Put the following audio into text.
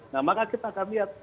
nah maka kita akan lihat